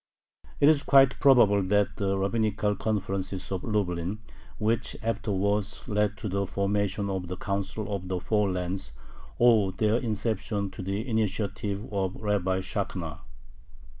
It is quite probable that the rabbinical conferences of Lublin, which afterwards led to the formation of the "Council of the Four Lands," owe their inception to the initiative of Rabbi Shakhna.